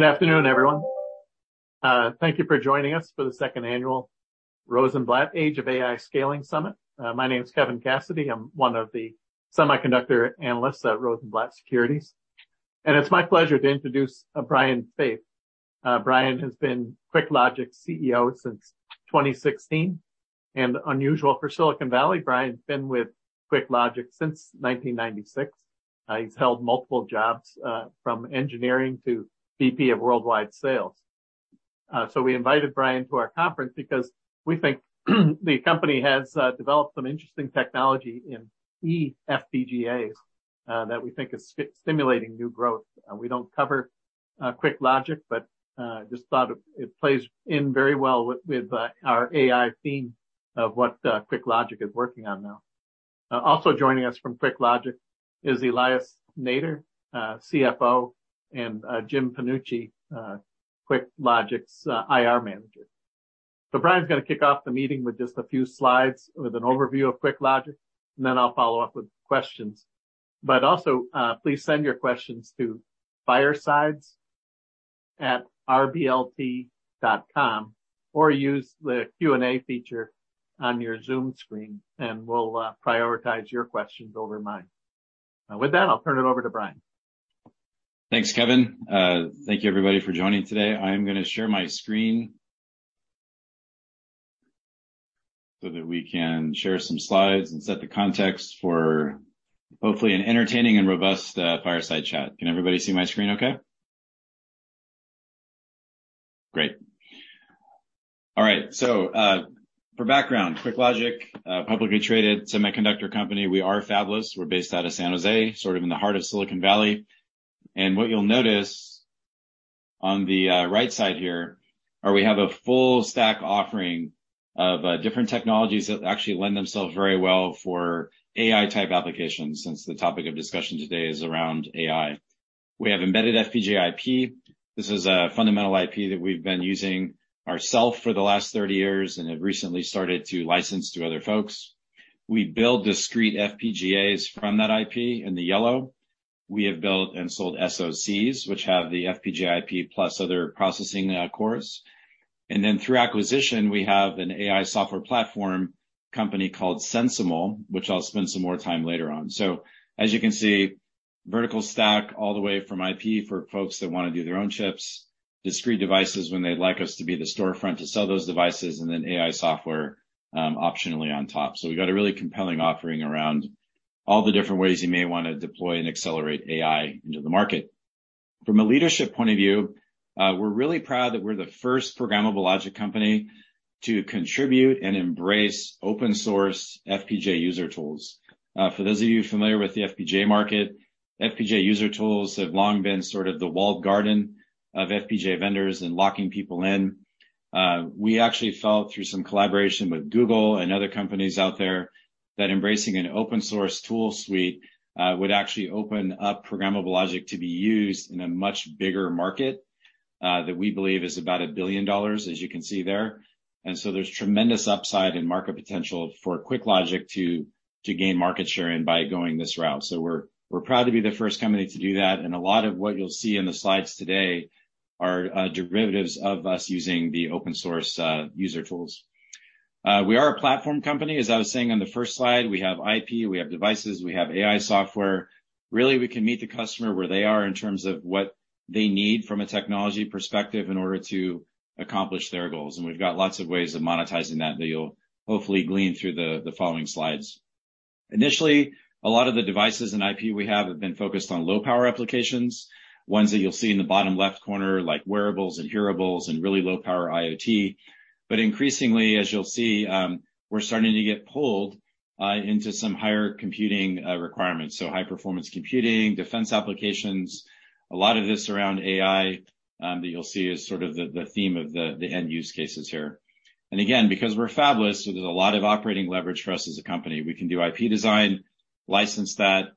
Good afternoon, everyone. Thank you for joining us for the second annual Rosenblatt Age of AI Scaling Summit. My name is Kevin Cassidy. I'm one of the semiconductor analysts at Rosenblatt Securities. It's my pleasure to introduce Brian Faith. Brian has been QuickLogic's CEO since 2016. Unusual for Silicon Valley, Brian's been with QuickLogic since 1996. He's held multiple jobs from engineering to VP of worldwide sales. We invited Brian to our conference because we think the company has developed some interesting technology in eFPGAs that we think is stimulating new growth. We don't cover QuickLogic, but just thought it plays in very well with our AI theme of what QuickLogic is working on now. Also joining us from QuickLogic is Elias Nader, CFO, and Jim Fanucchi, QuickLogic's IR manager. Brian's gonna kick off the meeting with just a few slides with an overview of QuickLogic, and then I'll follow up with questions. Also, please send your questions to firesides@rblt.com or use the Q&A feature on your Zoom screen, and we'll prioritize your questions over mine. With that, I'll turn it over to Brian. Thanks, Kevin. Thank you everybody for joining today. I am gonna share my screen so that we can share some slides and set the context for hopefully an entertaining and robust fireside chat. Can everybody see my screen okay? Great. All right, for background, QuickLogic, publicly traded semiconductor company. We are fabless. We're based out of San Jose, sort of in the heart of Silicon Valley. What you'll notice on the right side here, are we have a full stack offering of different technologies that actually lend themselves very well for AI-type applications since the topic of discussion today is around AI. We have embedded FPGA IP. This is a fundamental IP that we've been using ourselves for the last 30 years and have recently started to license to other folks. We build discrete FPGAs from that IP in the yellow. We have built and sold SoCs, which have the FPGA IP plus other processing cores. Then through acquisition, we have an AI software platform company called SensiML, which I'll spend some more time later on. As you can see, vertical stack all the way from IP for folks that wanna do their own chips, discrete devices when they'd like us to be the storefront to sell those devices, and then AI software, optionally on top. We've got a really compelling offering around all the different ways you may wanna deploy and accelerate AI into the market. From a leadership point of view, we're really proud that we're the first programmable logic company to contribute and embrace open source FPGA user tools. For those of you familiar with the FPGA market, FPGA user tools have long been sort of the walled garden of FPGA vendors in locking people in. We actually felt through some collaboration with Google and other companies out there that embracing an open source tool suite would actually open up programmable logic to be used in a much bigger market that we believe is about $1 billion, as you can see there. There's tremendous upside and market potential for QuickLogic to gain market share by going this route. We're proud to be the first company to do that, and a lot of what you'll see in the slides today are derivatives of us using the open source user tools. We are a platform company. As I was saying on the first slide, we have IP, we have devices, we have AI software. Really, we can meet the customer where they are in terms of what they need from a technology perspective in order to accomplish their goals. We've got lots of ways of monetizing that you'll hopefully glean through the following slides. Initially, a lot of the devices and IP we have have been focused on low power applications, ones that you'll see in the bottom left corner, like wearables and hearables and really low power IoT. Increasingly, as you'll see, we're starting to get pulled into some higher computing requirements. High performance computing, defense applications, a lot of this around AI that you'll see is sort of the theme of the end use cases here. Because we're fabless, there's a lot of operating leverage for us as a company. We can do IP design, license that.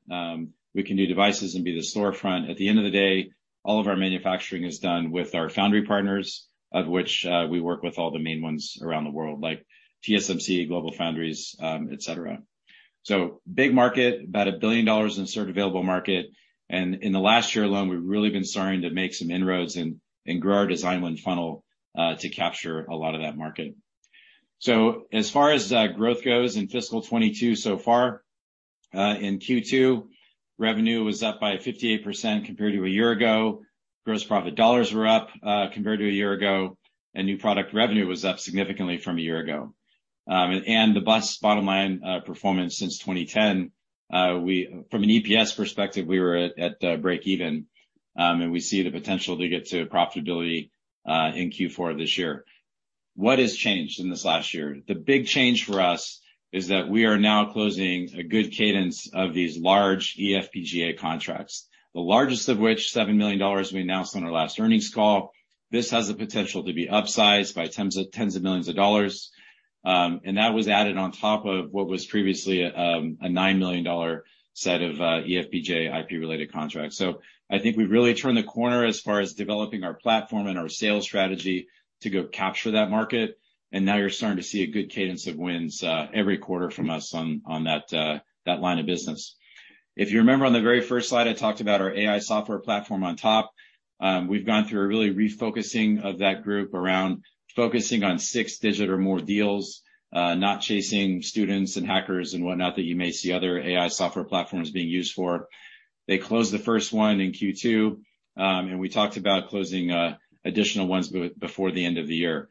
We can do devices and be the storefront. At the end of the day, all of our manufacturing is done with our foundry partners, of which we work with all the main ones around the world, like TSMC, GlobalFoundries, et cetera. Big market, about $1 billion in sort of available market. In the last year alone, we've really been starting to make some inroads and grow our design win funnel to capture a lot of that market. As far as growth goes in fiscal 2022 so far, in Q2, revenue was up by 58% compared to a year ago. Gross profit dollars were up compared to a year ago. New product revenue was up significantly from a year ago. The business bottom line performance since 2010 from an EPS perspective, we were at break even. We see the potential to get to profitability in Q4 this year. What has changed in this last year? The big change for us is that we are now closing a good cadence of these large eFPGA contracts, the largest of which, $7 million, we announced on our last earnings call. This has the potential to be upsized by tens of millions of dollars. That was added on top of what was previously a $9 million set of eFPGA IP related contracts. I think we've really turned the corner as far as developing our platform and our sales strategy to go capture that market. Now you're starting to see a good cadence of wins every quarter from us on that line of business. If you remember on the very first slide, I talked about our AI software platform on top. We've gone through a really refocusing of that group around focusing on six-digit or more deals, not chasing students and hackers and whatnot that you may see other AI software platforms being used for. They closed the first one in Q2, and we talked about closing additional ones before the end of the year.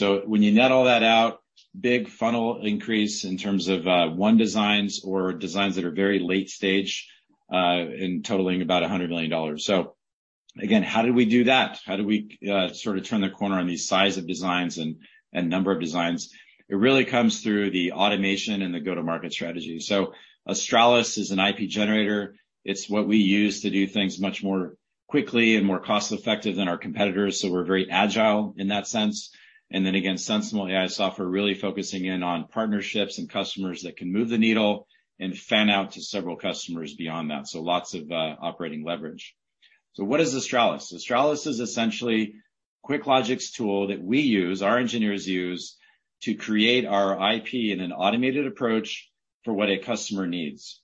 When you net all that out. Big funnel increase in terms of won designs or designs that are very late stage, and totaling about $100 million. Again, how did we do that? How did we sort of turn the corner on the size of designs and number of designs? It really comes through the automation and the go-to-market strategy. Australis is an IP generator. It's what we use to do things much more quickly and more cost-effective than our competitors, so we're very agile in that sense. And then again, SensiML, really focusing in on partnerships and customers that can move the needle and fan out to several customers beyond that. Lots of operating leverage. What is Australis? Australis is essentially QuickLogic's tool that we use, our engineers use, to create our IP in an automated approach for what a customer needs.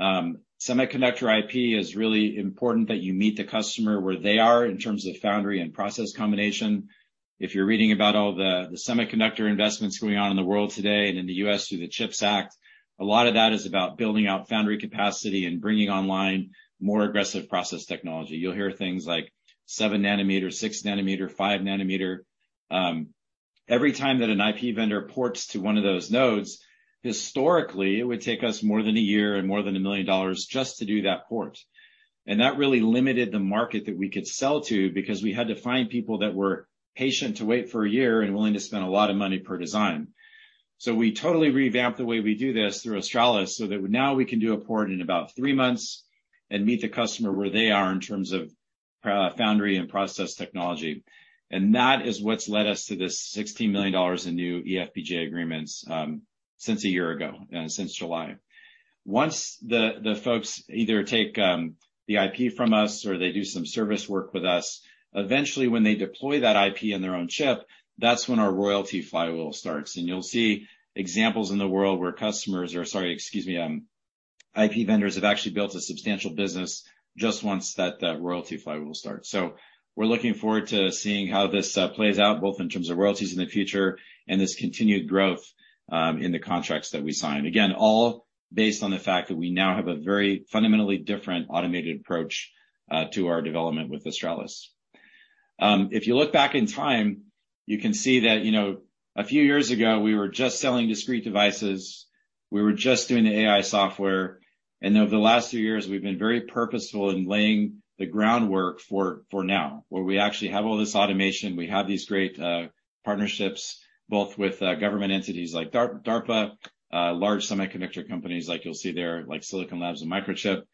Semiconductor IP is really important that you meet the customer where they are in terms of foundry and process combination. If you're reading about all the semiconductor investments going on in the world today and in the US through the CHIPS Act, a lot of that is about building out foundry capacity and bringing online more aggressive process technology. You'll hear things like 7 nanometer, 6 nanometer, 5 nanometer. Every time that an IP vendor ports to one of those nodes, historically, it would take us more than a year and more than $1 million just to do that port. That really limited the market that we could sell to because we had to find people that were patient to wait for a year and willing to spend a lot of money per design. We totally revamped the way we do this through Australis, so that now we can do a port in about three months and meet the customer where they are in terms of foundry and process technology. That is what's led us to this $60 million in new eFPGA agreements, since a year ago, since July. Once the folks either take the IP from us or they do some service work with us, eventually when they deploy that IP in their own chip, that's when our royalty flywheel starts. You'll see examples in the world where customers are. Sorry, excuse me, IP vendors have actually built a substantial business just once the royalty flywheel starts. We're looking forward to seeing how this plays out, both in terms of royalties in the future and this continued growth in the contracts that we sign. Again, all based on the fact that we now have a very fundamentally different automated approach to our development with Australis. If you look back in time, you can see that, you know, a few years ago, we were just selling discrete devices. We were just doing the AI software. Over the last few years, we've been very purposeful in laying the groundwork for now, where we actually have all this automation, we have these great partnerships, both with government entities like DARPA, large semiconductor companies like you'll see there, like Silicon Labs and Microchip,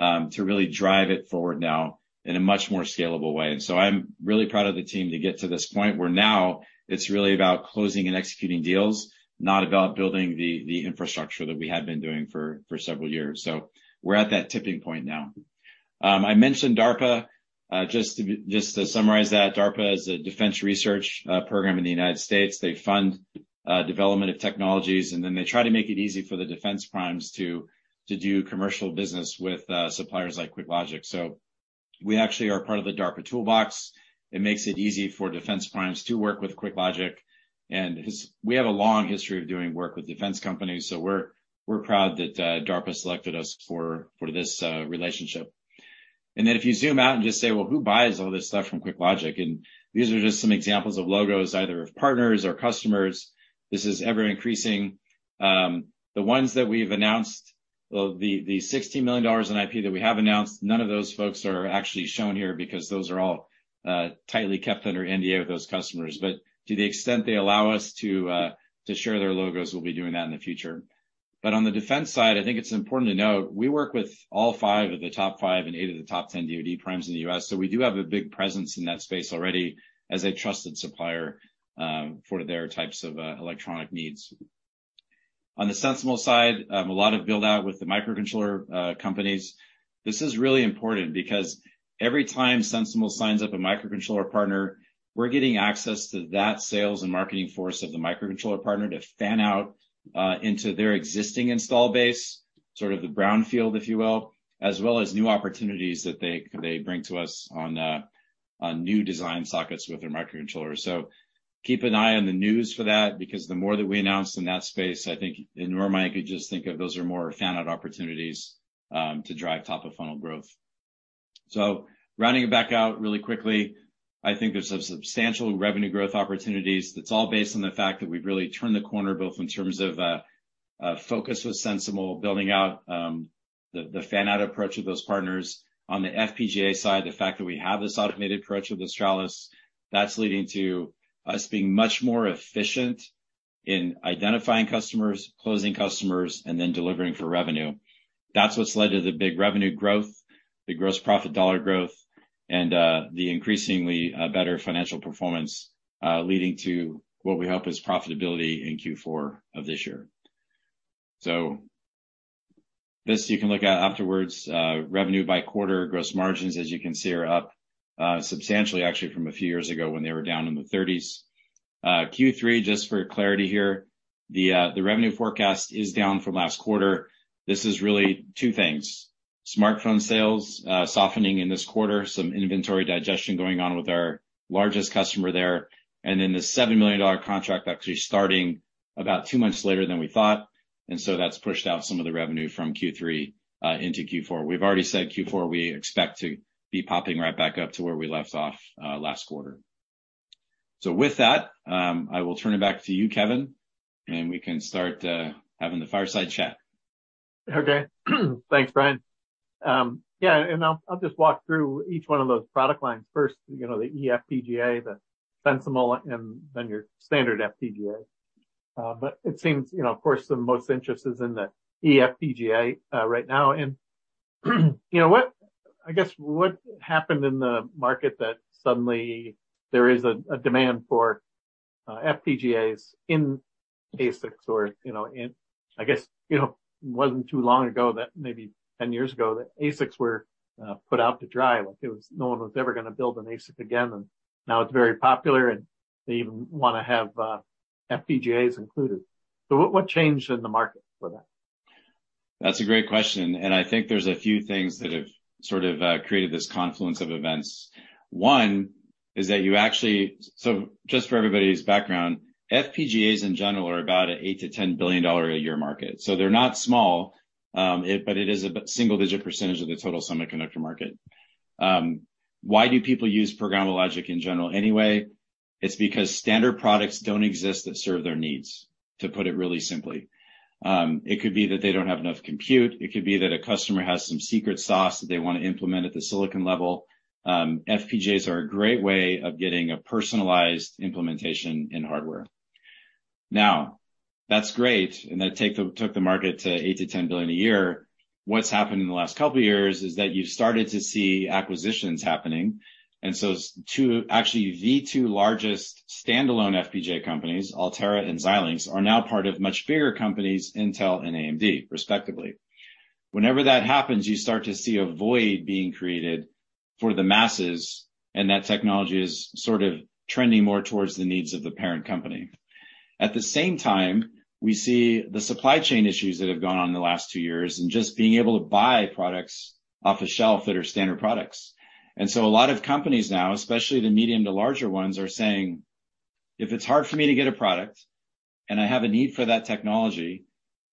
to really drive it forward now in a much more scalable way. I'm really proud of the team to get to this point where now it's really about closing and executing deals, not about building the infrastructure that we had been doing for several years. We're at that tipping point now. I mentioned DARPA. Just to summarize that, DARPA is a defense research program in the United States. They fund development of technologies, and then they try to make it easy for the defense primes to do commercial business with suppliers like QuickLogic. We actually are part of the DARPA Toolbox. It makes it easy for defense primes to work with QuickLogic. We have a long history of doing work with defense companies, so we're proud that DARPA selected us for this relationship. Then if you zoom out and just say, "Well, who buys all this stuff from QuickLogic?" These are just some examples of logos, either of partners or customers. This is ever-increasing. The ones that we've announced, well, the $60 million in IP that we have announced, none of those folks are actually shown here because those are all tightly kept under NDA with those customers. To the extent they allow us to share their logos, we'll be doing that in the future. On the defense side, I think it's important to note we work with all five of the top five and eight of the top ten DoD primes in the U.S. We do have a big presence in that space already as a trusted supplier for their types of electronic needs. On the SensiML side, a lot of build out with the microcontroller companies. This is really important because every time SensiML signs up a microcontroller partner, we're getting access to that sales and marketing force of the microcontroller partner to fan out into their existing install base, sort of the brownfield, if you will, as well as new opportunities that they bring to us on new design sockets with their microcontrollers. Keep an eye on the news for that because the more that we announce in that space, I think in my mind, I could just think of those are more fan-out opportunities to drive top-of-funnel growth. Rounding it back out really quickly, I think there's some substantial revenue growth opportunities that's all based on the fact that we've really turned the corner, both in terms of focus with SensiML, building out the fan-out approach with those partners. On the FPGA side, the fact that we have this automated approach with Australis, that's leading to us being much more efficient in identifying customers, closing customers, and then delivering for revenue. That's what's led to the big revenue growth, the gross profit dollar growth, and the increasingly better financial performance leading to what we hope is profitability in Q4 of this year. This you can look at afterwards, revenue by quarter. Gross margins, as you can see, are up substantially actually from a few years ago when they were down in the thirties. Q3, just for clarity here, the revenue forecast is down from last quarter. This is really two things. Smartphone sales softening in this quarter, some inventory digestion going on with our largest customer there, and then the $7 million contract actually starting about two months later than we thought. That's pushed out some of the revenue from Q3 into Q4. We've already said Q4, we expect to be popping right back up to where we left off last quarter. With that, I will turn it back to you, Kevin, and we can start having the fireside chat. Okay. Thanks, Brian. Yeah, I'll just walk through each one of those product lines. First, you know, the eFPGA, the SensiML, and then your standard FPGA. It seems, you know, of course, the most interest is in the eFPGA, right now. You know what? I guess, what happened in the market that suddenly there is a demand for FPGAs in ASICs or, you know. I guess, you know, it wasn't too long ago that maybe 10 years ago that ASICs were put out to dry, like it was no one was ever gonna build an ASIC again, and now it's very popular and they even wanna have FPGAs included. What changed in the market for that? That's a great question, and I think there's a few things that have sort of created this confluence of events. So just for everybody's background, FPGAs in general are about an $8 billion-$10 billion a year market. So they're not small, but it is a single-digit % of the total semiconductor market. Why do people use programmable logic in general anyway? It's because standard products don't exist that serve their needs, to put it really simply. It could be that they don't have enough compute. It could be that a customer has some secret sauce that they wanna implement at the silicon level. FPGAs are a great way of getting a personalized implementation in hardware. Now, that's great, and that took the market to $8 billion-$10 billion a year. What's happened in the last couple of years is that you've started to see acquisitions happening. Actually, the two largest standalone FPGA companies, Altera and Xilinx, are now part of much bigger companies, Intel and AMD, respectively. Whenever that happens, you start to see a void being created for the masses, and that technology is sort of trending more towards the needs of the parent company. At the same time, we see the supply chain issues that have gone on in the last two years and just being able to buy products off a shelf that are standard products. A lot of companies now, especially the medium to larger ones, are saying, "If it's hard for me to get a product and I have a need for that technology,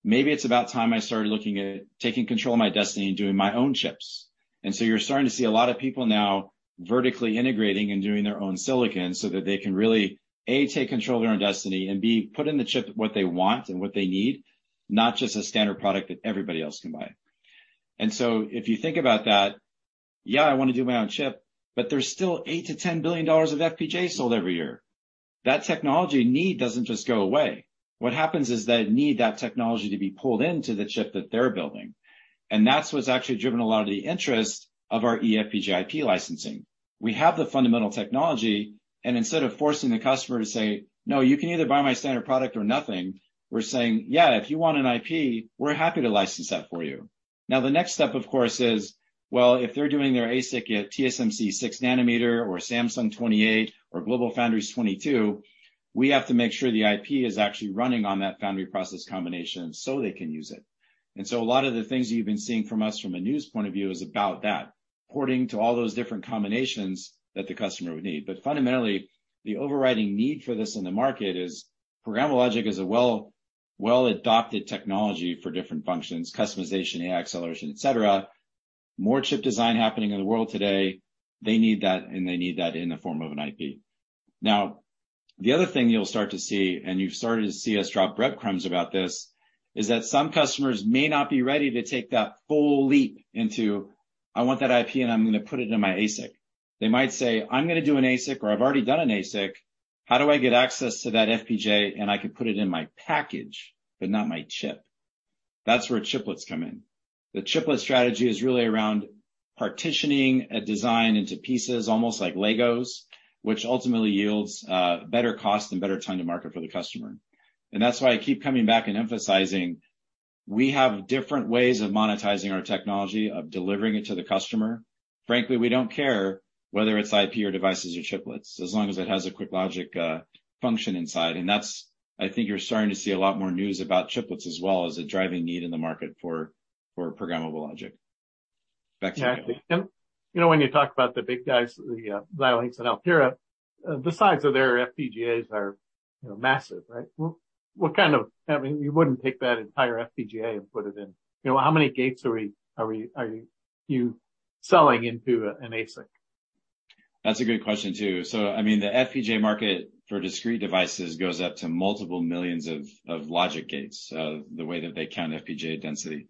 maybe it's about time I started looking at taking control of my destiny and doing my own chips." You're starting to see a lot of people now vertically integrating and doing their own silicon so that they can really, A, take control of their own destiny and, B, put in the chip what they want and what they need, not just a standard product that everybody else can buy. If you think about that, yeah, I wanna do my own chip, but there's still $8 billion-$10 billion of FPGA sold every year. That technology need doesn't just go away. What happens is they need that technology to be pulled into the chip that they're building. That's what's actually driven a lot of the interest of our eFPGA IP licensing. We have the fundamental technology, and instead of forcing the customer to say, "No, you can either buy my standard product or nothing," we're saying, "Yeah, if you want an IP, we're happy to license that for you." Now, the next step, of course, is, well, if they're doing their ASIC at TSMC six nanometer or Samsung 28 or GlobalFoundries 22, we have to make sure the IP is actually running on that foundry process combination so they can use it. A lot of the things you've been seeing from us from a news point of view is about that, porting to all those different combinations that the customer would need. Fundamentally, the overriding need for this in the market is programmable logic is a well-adopted technology for different functions, customization, AI acceleration, et cetera. More chip design happening in the world today. They need that, and they need that in the form of an IP. Now, the other thing you'll start to see, and you've started to see us drop breadcrumbs about this, is that some customers may not be ready to take that full leap into, "I want that IP and I'm gonna put it in my ASIC." They might say, "I'm gonna do an ASIC," or, "I've already done an ASIC. How do I get access to that FPGA and I could put it in my package, but not my chip?" That's where chiplets come in. The chiplet strategy is really around partitioning a design into pieces almost like Legos, which ultimately yields better cost and better time to market for the customer. That's why I keep coming back and emphasizing we have different ways of monetizing our technology, of delivering it to the customer. Frankly, we don't care whether it's IP or devices or chiplets, as long as it has a QuickLogic function inside. That's, I think you're starting to see a lot more news about chiplets as well as a driving need in the market for programmable logic. Back to you. Exactly. You know, when you talk about the big guys, the Xilinx and Altera, the size of their FPGAs are, you know, massive, right? I mean, you wouldn't take that entire FPGA and put it in. You know, how many gates are you selling into an ASIC? That's a great question, too. I mean, the FPGA market for discrete devices goes up to multiple millions of logic gates, the way that they count FPGA density.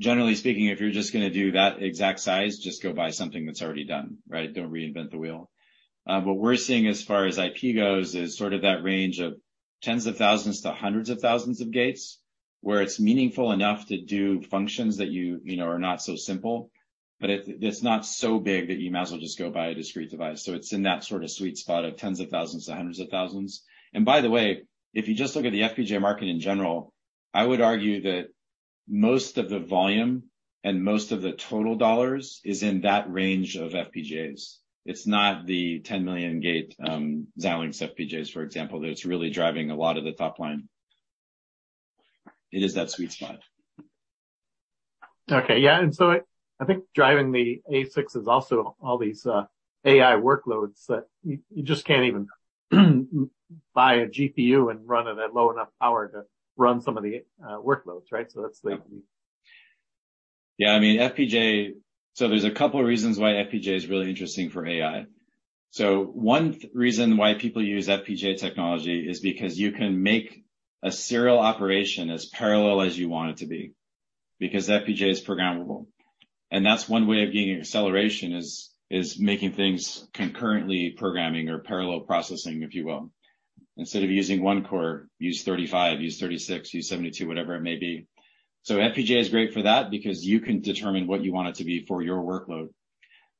Generally speaking, if you're just gonna do that exact size, just go buy something that's already done, right? Don't reinvent the wheel. What we're seeing as far as IP goes is sort of that range of tens of thousands to hundreds of thousands of gates, where it's meaningful enough to do functions that you know are not so simple, but it's not so big that you might as well just go buy a discrete device. It's in that sort of sweet spot of tens of thousands to hundreds of thousands. By the way, if you just look at the FPGA market in general, I would argue that most of the volume and most of the total dollars is in that range of FPGAs. It's not the 10 million gate Xilinx FPGAs, for example, that it's really driving a lot of the top line. It is that sweet spot. Okay. Yeah, I think driving the ASICs is also all these AI workloads that you just can't even buy a GPU and run it at low enough power to run some of the workloads, right? So that's the Yeah, I mean, FPGA is really interesting for AI. There's a couple reasons why. One reason why people use FPGA technology is because you can make a serial operation as parallel as you want it to be, because FPGA is programmable. That's one way of getting acceleration is making things concurrently programming or parallel processing, if you will. Instead of using one core, use 35, use 36, use 72, whatever it may be. FPGA is great for that because you can determine what you want it to be for your workload.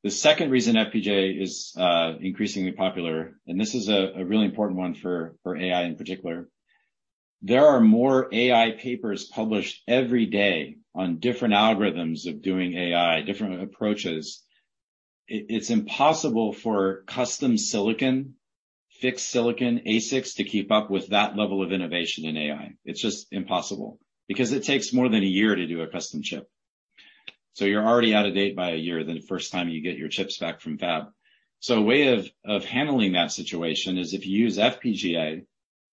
The second reason FPGA is increasingly popular, and this is a really important one for AI in particular, there are more AI papers published every day on different algorithms of doing AI, different approaches. It's impossible for custom silicon, fixed silicon ASICs to keep up with that level of innovation in AI. It's just impossible, because it takes more than a year to do a custom chip. You're already out of date by a year the first time you get your chips back from fab. A way of handling that situation is if you use FPGA,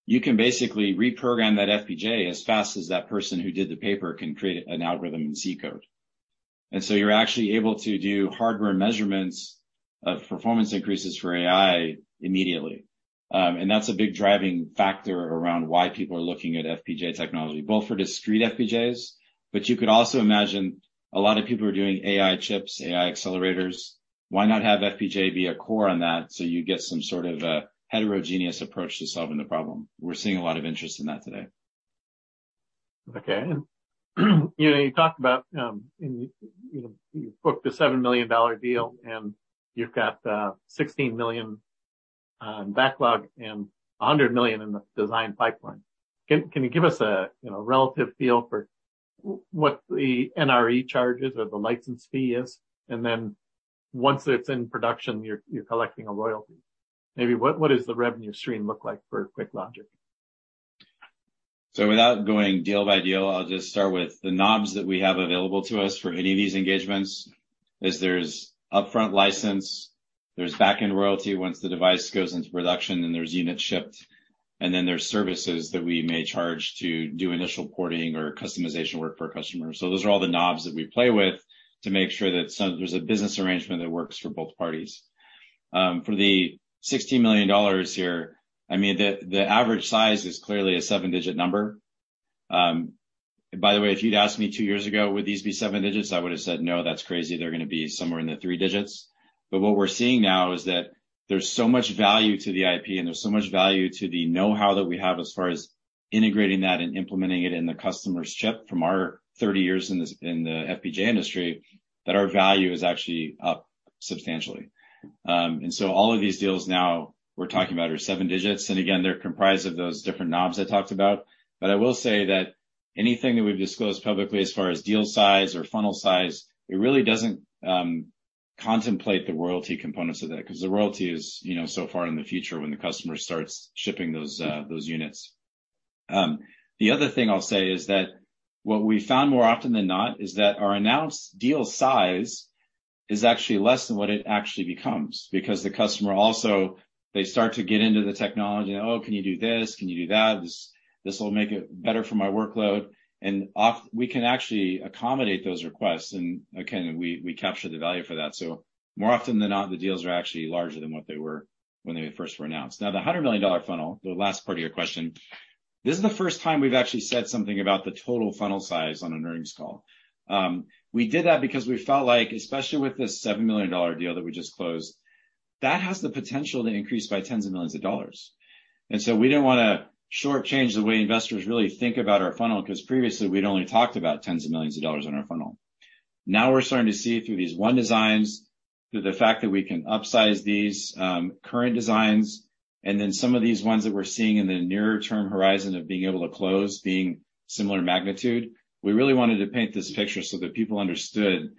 you can basically reprogram that FPGA as fast as that person who did the paper can create an algorithm in C code. You're actually able to do hardware measurements of performance increases for AI immediately. That's a big driving factor around why people are looking at FPGA technology, both for discrete FPGAs, but you could also imagine a lot of people are doing AI chips, AI accelerators. Why not have FPGA be a core on that, so you get some sort of a heterogeneous approach to solving the problem? We're seeing a lot of interest in that today. Okay. You know, you talked about, and you know, you booked a $7 million deal, and you've got, $16 million backlog and $100 million in the design pipeline. Can you give us a, you know, relative feel for what the NRE charge is or the license fee is? Once it's in production, you're collecting a royalty. Maybe what does the revenue stream look like for QuickLogic? Without going deal by deal, I'll just start with the knobs that we have available to us for any of these engagements, is there's upfront license, there's back-end royalty once the device goes into production, and there's units shipped, and then there's services that we may charge to do initial porting or customization work for a customer. Those are all the knobs that we play with to make sure that there's a business arrangement that works for both parties. For the $60 million here, I mean, the average size is clearly a seven-digit number. By the way, if you'd asked me two years ago, "Would these be seven digits?" I would have said, "No, that's crazy. They're gonna be somewhere in the three digits. What we're seeing now is that there's so much value to the IP, and there's so much value to the know-how that we have as far as integrating that and implementing it in the customer's chip from our 30 years in this, in the FPGA industry, that our value is actually up substantially. All of these deals now we're talking about are 7 digits. Again, they're comprised of those different knobs I talked about. I will say that anything that we've disclosed publicly as far as deal size or funnel size, it really doesn't contemplate the royalty components of that, because the royalty is, you know, so far in the future when the customer starts shipping those units. The other thing I'll say is that what we found more often than not is that our announced deal size is actually less than what it actually becomes. Because the customer also, they start to get into the technology, "Oh, can you do this? Can you do that? This will make it better for my workload." We can actually accommodate those requests and again, we capture the value for that. More often than not, the deals are actually larger than what they were when they first were announced. Now, the $100 million funnel, the last part of your question, this is the first time we've actually said something about the total funnel size on an earnings call. We did that because we felt like, especially with this $7 million deal that we just closed, that has the potential to increase by tens of millions of dollars. We didn't wanna shortchange the way investors really think about our funnel, 'cause previously we'd only talked about tens of millions of dollars on our funnel. Now we're starting to see through these one designs, through the fact that we can upsize these, current designs, and then some of these ones that we're seeing in the nearer term horizon of being able to close being similar magnitude. We really wanted to paint this picture so that people understood,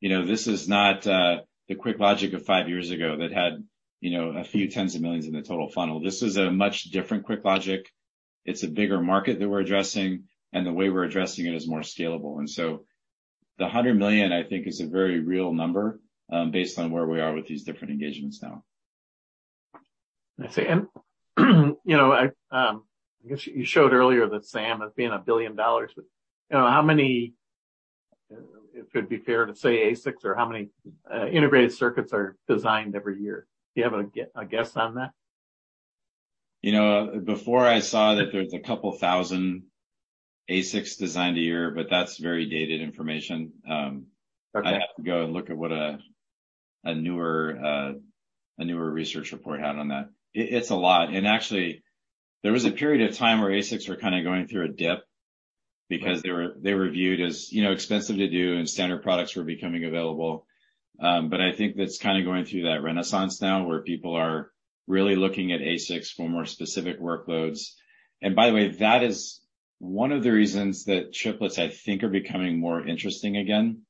you know, this is not the QuickLogic of five years ago that had, you know, a few tens of millions in the total funnel. This is a much different QuickLogic. It's a bigger market that we're addressing, and the way we're addressing it is more scalable. The 100 million, I think, is a very real number, based on where we are with these different engagements now. I see. You know, I guess you showed earlier that SAM as being $1 billion, but you know, how many if it'd be fair to say ASICs or how many integrated circuits are designed every year? Do you have a guess on that? You know, before I saw that there's 2,000 ASICs designed a year, but that's very dated information. Okay. I'd have to go and look at what a newer research report had on that. It's a lot. Actually, there was a period of time where ASICs were kinda going through a dip because they were viewed as, you know, expensive to do, and standard products were becoming available. I think that's kinda going through that renaissance now, where people are really looking at ASICs for more specific workloads. By the way, that is one of the reasons that chiplets, I think, are becoming more interesting again.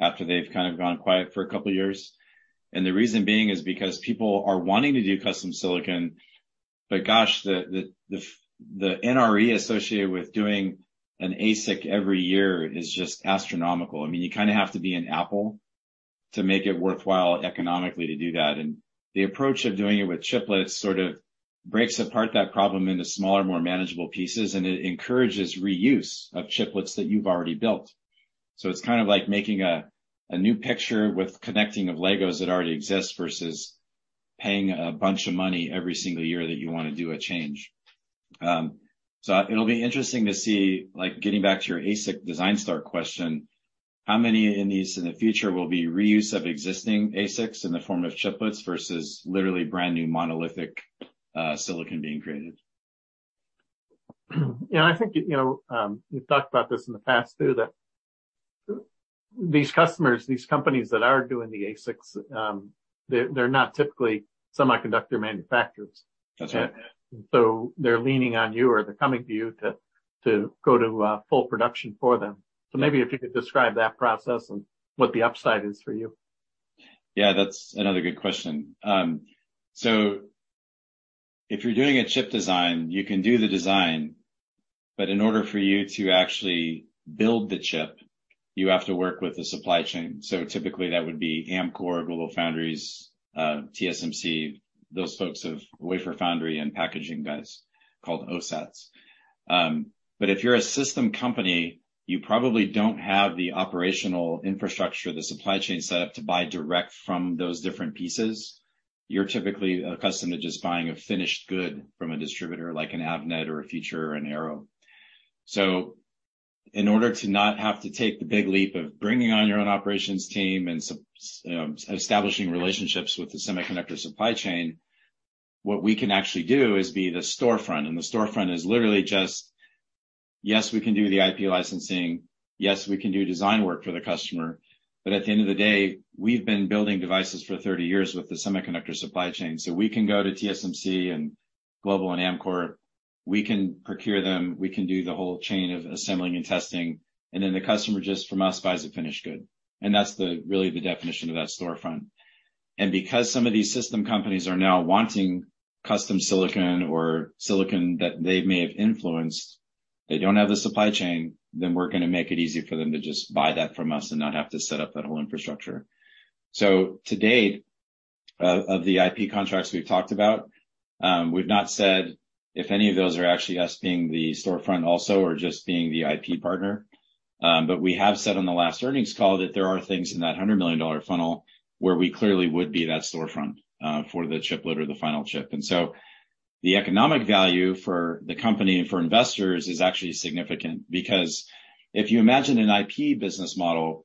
After they've kind of gone quiet for a couple years. The reason being is because people are wanting to do custom silicon. Gosh, the NRE associated with doing an ASIC every year is just astronomical. I mean, you kind of have to be an Apple to make it worthwhile economically to do that. The approach of doing it with chiplets sort of breaks apart that problem into smaller, more manageable pieces, and it encourages reuse of chiplets that you've already built. It's kind of like making a new picture with connecting of Legos that already exist versus paying a bunch of money every single year that you wanna do a change. It'll be interesting to see, like, getting back to your ASIC design start question, how many of these in the future will be reuse of existing ASICs in the form of chiplets versus literally brand new monolithic silicon being created. Yeah, I think, you know, we've talked about this in the past too, that these customers, these companies that are doing the ASICs, they're not typically semiconductor manufacturers. That's right. They're leaning on you or they're coming to you to go to full production for them. Maybe if you could describe that process and what the upside is for you. Yeah, that's another good question. If you're doing a chip design, you can do the design, but in order for you to actually build the chip, you have to work with the supply chain. Typically that would be Amkor, GlobalFoundries, TSMC, those folks of wafer foundry and packaging guys called OSATs. If you're a system company, you probably don't have the operational infrastructure, the supply chain set up to buy direct from those different pieces. You're typically accustomed to just buying a finished good from a distributor like an Avnet or a Future, an Arrow. In order to not have to take the big leap of bringing on your own operations team and establishing relationships with the semiconductor supply chain, what we can actually do is be the storefront. The storefront is literally just, yes, we can do the IP licensing, yes, we can do design work for the customer, but at the end of the day, we've been building devices for 30 years with the semiconductor supply chain. We can go to TSMC and Global and Amkor. We can procure them, we can do the whole chain of assembling and testing, and then the customer just buys from us a finished good. That's really the definition of that storefront. Because some of these system companies are now wanting custom silicon or silicon that they may have influenced, they don't have the supply chain, then we're gonna make it easy for them to just buy that from us and not have to set up that whole infrastructure. To date, of the IP contracts we've talked about, we've not said if any of those are actually us being the storefront also or just being the IP partner. We have said on the last earnings call that there are things in that $100 million funnel where we clearly would be that storefront for the chiplet or the final chip. The economic value for the company and for investors is actually significant, because if you imagine an IP business model,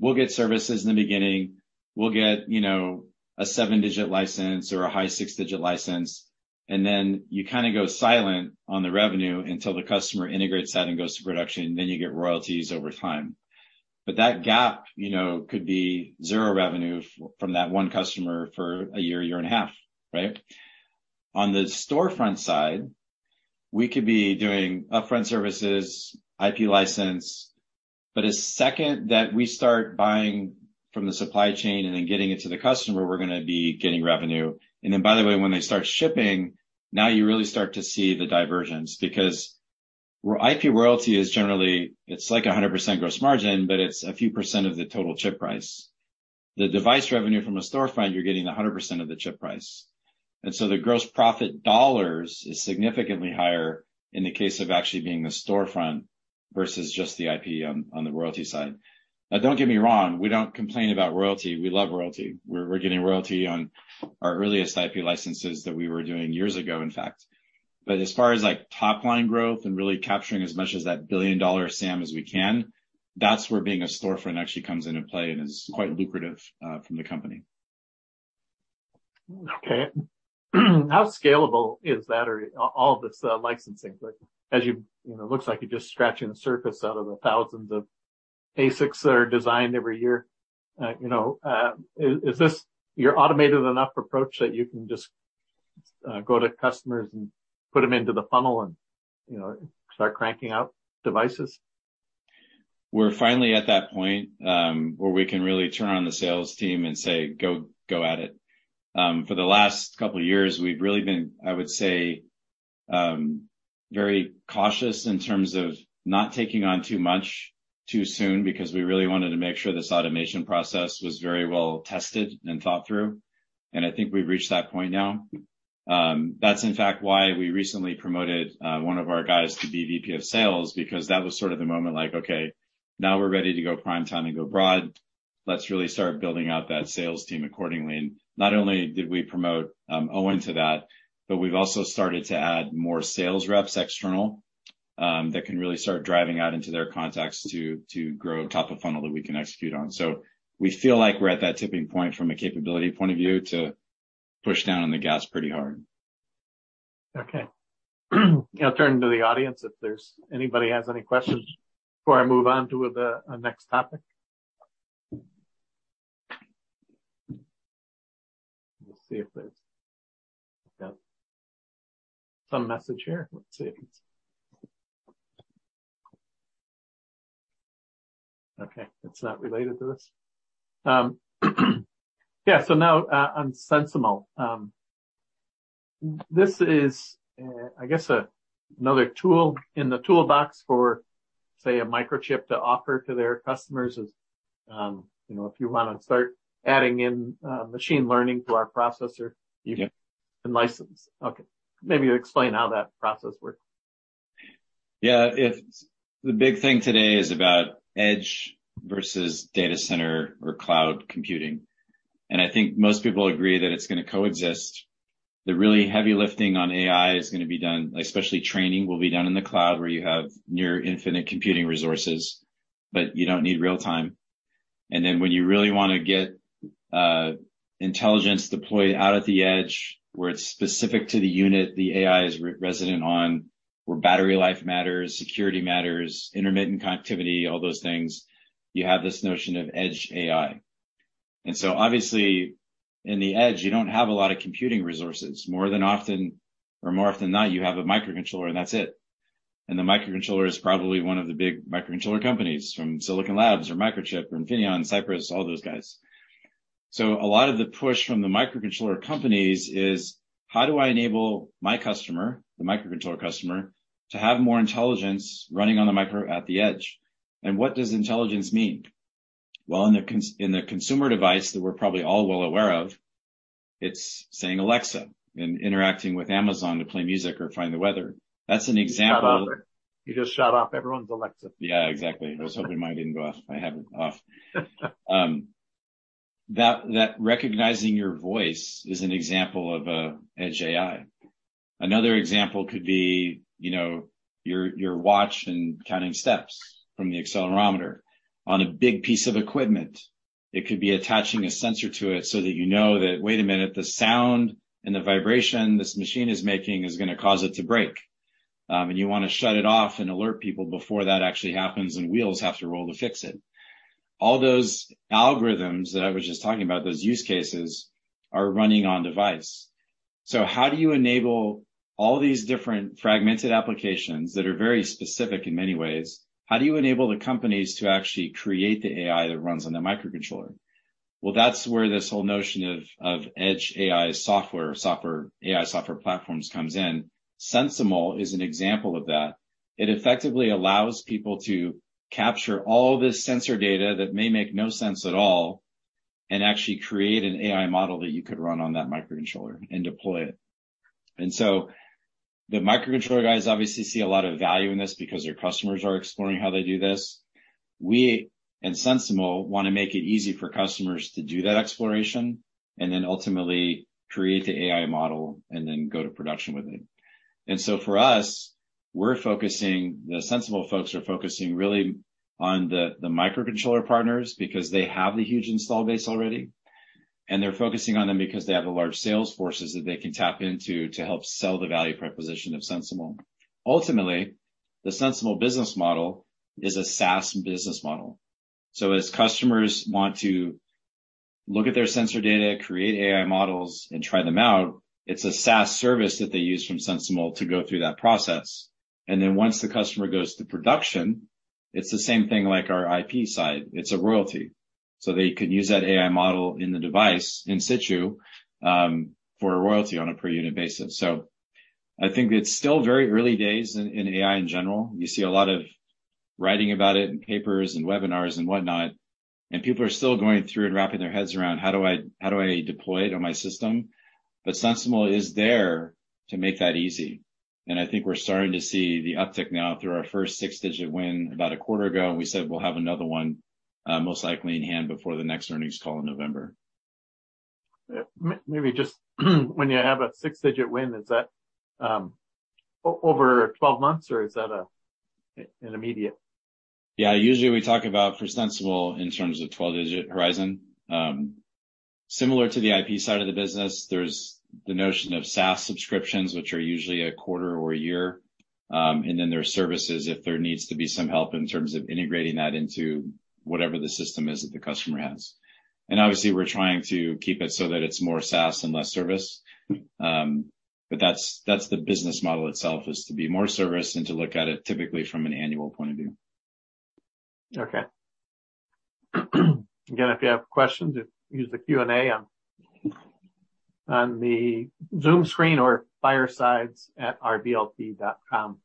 we'll get services in the beginning, we'll get, you know, a seven-digit license or a high six-digit license, and then you kinda go silent on the revenue until the customer integrates that and goes to production, then you get royalties over time. That gap, you know, could be zero revenue from that one customer for a year and a half, right? On the storefront side, we could be doing upfront services, IP license, but as soon as that we start buying from the supply chain and then getting it to the customer, we're gonna be getting revenue. Then by the way, when they start shipping, now you really start to see the divergence because where IP royalty is generally, it's like 100% gross margin, but it's a few % of the total chip price. The device revenue from a storefront, you're getting 100% of the chip price. The gross profit dollars is significantly higher in the case of actually being the storefront versus just the IP on the royalty side. Now, don't get me wrong, we don't complain about royalty. We love royalty. We're getting royalty on our earliest IP licenses that we were doing years ago, in fact. As far as like top-line growth and really capturing as much as that $1 billion SAM as we can, that's where being a storefront actually comes into play and is quite lucrative from the company. Okay. How scalable is that or all of this, licensing? Like, you know, it looks like you're just scratching the surface out of the thousands of ASICs that are designed every year. You know, is this your automated enough approach that you can just go to customers and put them into the funnel and, you know, start cranking out devices? We're finally at that point where we can really turn on the sales team and say, "Go, go at it." For the last couple of years, we've really been, I would say, very cautious in terms of not taking on too much too soon because we really wanted to make sure this automation process was very well tested and thought through. I think we've reached that point now. That's in fact why we recently promoted one of our guys to be VP of sales because that was sort of the moment like, okay, now we're ready to go prime time and go broad. Let's really start building out that sales team accordingly. Not only did we promote Owen to that, but we've also started to add more sales reps external that can really start driving out into their contacts to grow top of funnel that we can execute on. We feel like we're at that tipping point from a capability point of view to push down on the gas pretty hard. Okay. I'll turn to the audience if there's anybody has any questions before I move on to the next topic. See if there's some message here. Let's see if it's. Okay, it's not related to this. Yeah. Now, on SensiML. This is, I guess, another tool in the toolbox for, say, a Microchip to offer to their customers is, you know, if you wanna start adding in, machine learning to our processor, you can license. Okay. Maybe explain how that process works. Yeah. If the big thing today is about edge versus data center or cloud computing, and I think most people agree that it's gonna coexist. The really heavy lifting on AI is gonna be done, especially training, will be done in the cloud, where you have near infinite computing resources, but you don't need real-time. Then when you really wanna get intelligence deployed out at the edge, where it's specific to the unit the AI is resident on, where battery life matters, security matters, intermittent connectivity, all those things, you have this notion of edge AI. So obviously, in the edge, you don't have a lot of computing resources. More often than not, you have a microcontroller and that's it. The microcontroller is probably one of the big microcontroller companies from Silicon Labs or Microchip or Infineon, Cypress, all those guys. A lot of the push from the microcontroller companies is, how do I enable my customer, the microcontroller customer, to have more intelligence running on the micro at the edge? What does intelligence mean? Well, in the consumer device that we're probably all well aware of, it's saying Alexa, and interacting with Amazon to play music or find the weather. That's an example. You just shot off everyone's Alexa. Yeah, exactly. I was hoping mine didn't go off. I have it off. That recognizing your voice is an example of an edge AI. Another example could be, you know, your watch and counting steps from the accelerometer. On a big piece of equipment, it could be attaching a sensor to it so that you know that, wait a minute, the sound and the vibration this machine is making is gonna cause it to break. You wanna shut it off and alert people before that actually happens, and wheels have to roll to fix it. All those algorithms that I was just talking about, those use cases, are running on device. So how do you enable all these different fragmented applications that are very specific in many ways, how do you enable the companies to actually create the AI that runs on the microcontroller? Well, that's where this whole notion of edge AI software platforms comes in. SensiML is an example of that. It effectively allows people to capture all this sensor data that may make no sense at all and actually create an AI model that you could run on that microcontroller and deploy it. The microcontroller guys obviously see a lot of value in this because their customers are exploring how they do this. We and SensiML wanna make it easy for customers to do that exploration, and then ultimately create the AI model and then go to production with it. For us, the SensiML folks are focusing really on the microcontroller partners because they have the huge install base already, and they're focusing on them because they have the large sales forces that they can tap into to help sell the value proposition of SensiML. Ultimately, the SensiML business model is a SaaS business model. As customers want to look at their sensor data, create AI models, and try them out, it's a SaaS service that they use from SensiML to go through that process. Once the customer goes to production, it's the same thing like our IP side, it's a royalty. They could use that AI model in the device, in situ, for a royalty on a per unit basis. I think it's still very early days in AI in general. You see a lot of writing about it in papers and webinars and whatnot, and people are still going through and wrapping their heads around how do I, how do I deploy it on my system? SensiML is there to make that easy, and I think we're starting to see the uptick now through our first six-digit win about a quarter ago, and we said we'll have another one, most likely in hand before the next earnings call in November. Maybe just when you have a six-digit win, is that over twelve months, or is that an immediate? Yeah. Usually we talk about for SensiML in terms of 12-month horizon. Similar to the IP side of the business, there's the notion of SaaS subscriptions, which are usually a quarter or a year. Then there are services if there needs to be some help in terms of integrating that into whatever the system is that the customer has. Obviously we're trying to keep it so that it's more SaaS and less service. But that's the business model itself, is to be more SaaS and to look at it typically from an annual point of view. Okay. Again, if you have questions, use the Q&A on the Zoom screen or firesides@rblt.com.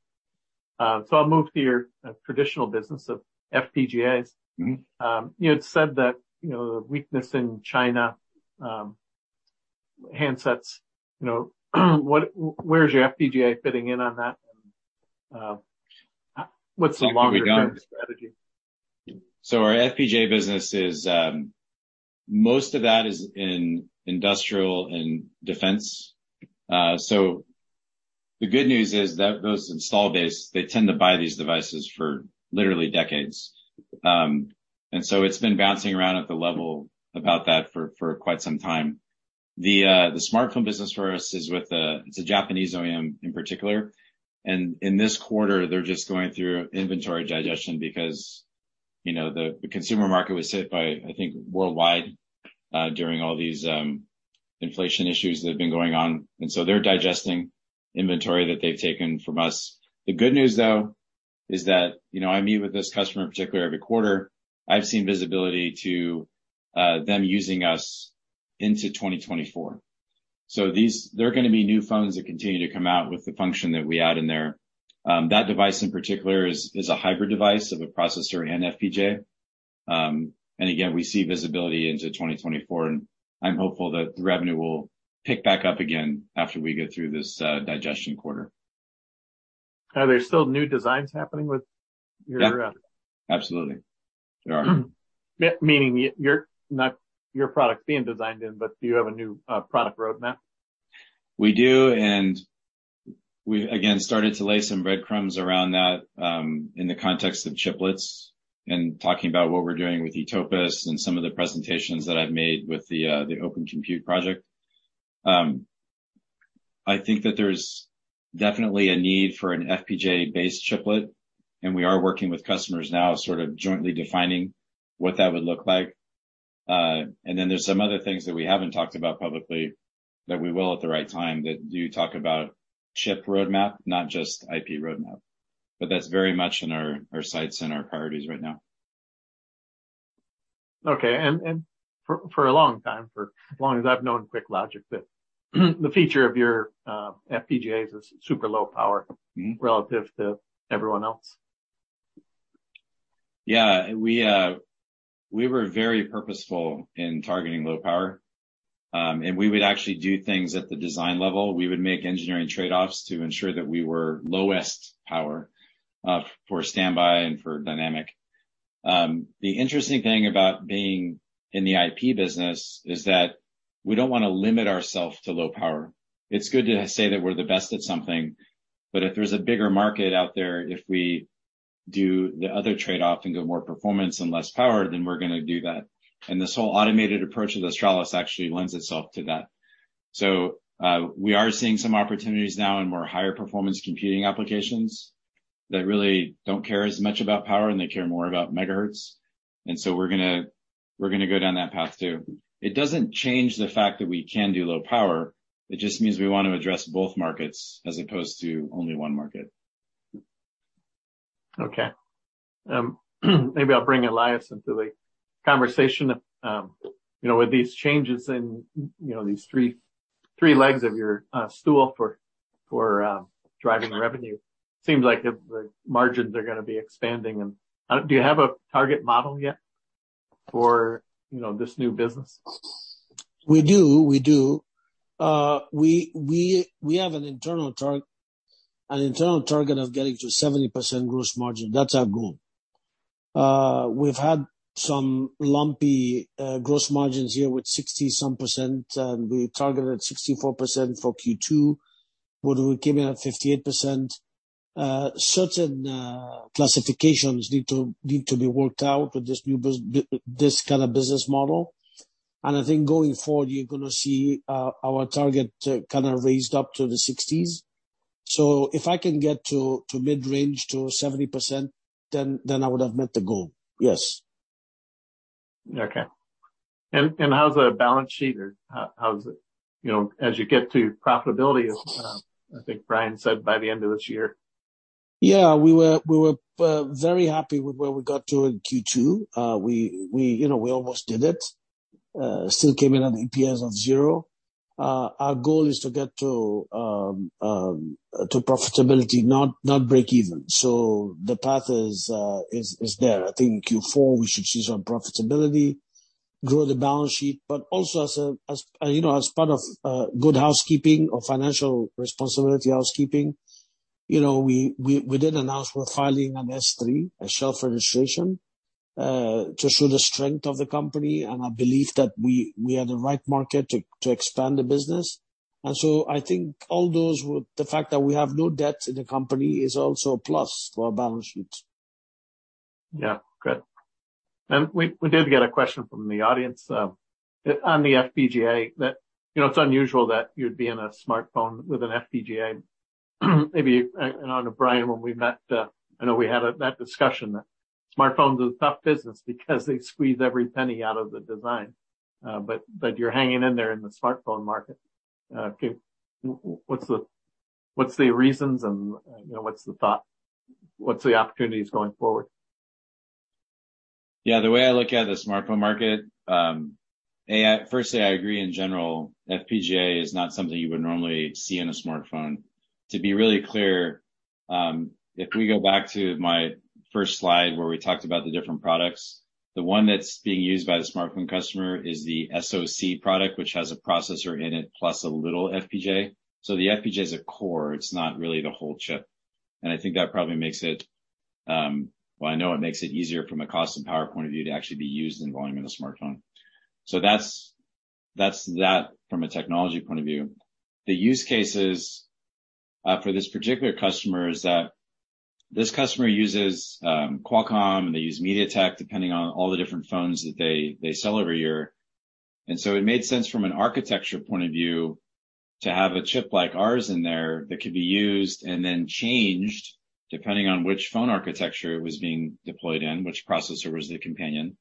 I'll move to your traditional business of FPGAs. Mm-hmm. You had said that, you know, the weakness in China, handsets, you know, where is your FPGA fitting in on that? What's the longer-term strategy? Our FPGA business is most of that in industrial and defense. The good news is that the installed base they tend to buy these devices for literally decades. It's been bouncing around at the level about that for quite some time. The smartphone business for us is with a Japanese OEM in particular. In this quarter they're just going through inventory digestion. You know, the consumer market was hit by, I think, worldwide, during all these inflation issues that have been going on. They're digesting inventory that they've taken from us. The good news, though, is that, you know, I meet with this customer particularly every quarter. I've seen visibility to them using us into 2024. These they're gonna be new phones that continue to come out with the function that we add in there. That device in particular is a hybrid device of a processor and FPGA. And again, we see visibility into 2024, and I'm hopeful that the revenue will pick back up again after we get through this digestion quarter. Are there still new designs happening with your? Yeah. Absolutely. There are. Meaning you're not your product being designed in, but do you have a new product roadmap? We do. We, again, started to lay some breadcrumbs around that, in the context of chiplets and talking about what we're doing with Eliyan and some of the presentations that I've made with the Open Compute Project. I think that there's definitely a need for an FPGA-based chiplet, and we are working with customers now, sort of jointly defining what that would look like. Then there's some other things that we haven't talked about publicly that we will at the right time that do talk about chip roadmap, not just IP roadmap, but that's very much in our sights and our priorities right now. Okay. For a long time, for as long as I've known QuickLogic, that the feature of your FPGAs is super low power. Mm-hmm. Relative to everyone else. Yeah. We were very purposeful in targeting low power. We would actually do things at the design level. We would make engineering trade-offs to ensure that we were lowest power for standby and for dynamic. The interesting thing about being in the IP business is that we don't wanna limit ourselves to low power. It's good to say that we're the best at something, but if there's a bigger market out there, if we do the other trade-off and get more performance and less power, then we're gonna do that. This whole automated approach of the Australis actually lends itself to that. We are seeing some opportunities now in more higher performance computing applications that really don't care as much about power, and they care more about megahertz. We're gonna go down that path too. It doesn't change the fact that we can do low power. It just means we want to address both markets as opposed to only one market. Maybe I'll bring Elias into the conversation. You know, with these changes in, you know, these three legs of your stool for driving revenue, seems like the margins are gonna be expanding. Do you have a target model yet for, you know, this new business? We do. We have an internal target of getting to 70% gross margin. That's our goal. We've had some lumpy gross margins here with 60-some%, and we targeted 64% for Q2, but we came in at 58%. Certain classifications need to be worked out with this new kind of business model. I think going forward, you're gonna see our target kinda raised up to the 60s. If I can get to mid-range to 70%, then I would have met the goal. Yes. Okay. How's the balance sheet or how's it? You know, as you get to profitability, I think Brian said by the end of this year. Yeah. We were very happy with where we got to in Q2. We, you know, we almost did it. Still came in at an EPS of zero. Our goal is to get to profitability, not break even. The path is there. I think in Q4, we should see some profitability, grow the balance sheet, but also, as you know, as part of good housekeeping or financial responsibility housekeeping, you know, we did announce we're filing an S-3, a shelf registration, to show the strength of the company and our belief that we are the right market to expand the business. I think all those with the fact that we have no debt in the company is also a plus for our balance sheet. Yeah. Good. We did get a question from the audience on the FPGA that, you know, it's unusual that you'd be in a smartphone with an FPGA. Maybe and on to Brian, when we met, I know we had that discussion that smartphones is a tough business because they squeeze every penny out of the design. But you're hanging in there in the smartphone market. What's the reasons and, you know, what's the thought? What's the opportunities going forward? Yeah. The way I look at the smartphone market, firstly, I agree in general, FPGA is not something you would normally see in a smartphone. To be really clear, if we go back to my first slide where we talked about the different products, the one that's being used by the smartphone customer is the SoC product, which has a processor in it, plus a little FPGA. So the FPGA is a core. It's not really the whole chip. And I think that probably makes it, well, I know it makes it easier from a cost and power point of view to actually be used in volume in a smartphone. That's that from a technology point of view. The use cases for this particular customer is that this customer uses Qualcomm, they use MediaTek, depending on all the different phones that they sell every year. It made sense from an architecture point of view to have a chip like ours in there that could be used and then changed depending on which phone architecture it was being deployed in, which processor was the companion.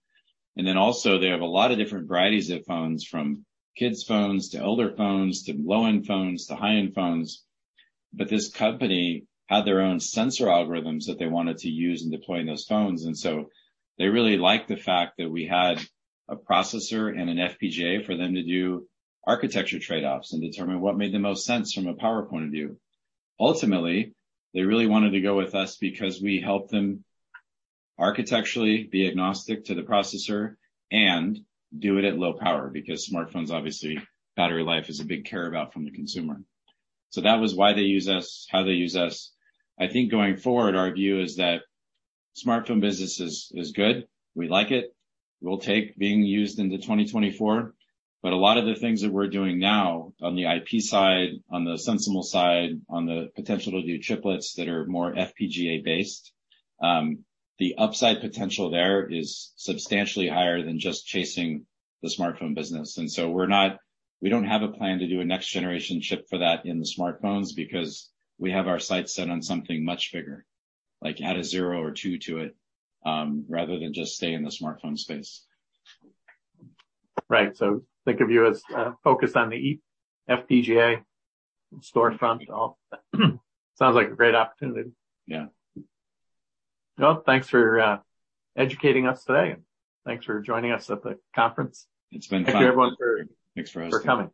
They have a lot of different varieties of phones from kids phones to older phones to low-end phones to high-end phones. This company had their own sensor algorithms that they wanted to use in deploying those phones. They really liked the fact that we had a processor and an FPGA for them to do architecture trade-offs and determine what made the most sense from a power point of view. Ultimately, they really wanted to go with us because we helped them architecturally be agnostic to the processor and do it at low power because smartphones, obviously, battery life is a big care about from the consumer. That was why they use us, how they use us. I think going forward, our view is that smartphone business is good. We like it. We'll take being used into 2024, but a lot of the things that we're doing now on the IP side, on the SensiML side, on the potential to do chiplets that are more FPGA-based, the upside potential there is substantially higher than just chasing the smartphone business. We don't have a plan to do a next generation chip for that in the smartphones because we have our sights set on something much bigger, like add a zero or two to it, rather than just stay in the smartphone space. Right. Think of you as focused on the eFPGA storefront. It all sounds like a great opportunity. Yeah. Well, thanks for educating us today, and thanks for joining us at the conference. It's been fun. Thank you, everyone, for. Thanks for hosting. For coming.